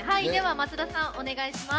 松田さん、お願いします。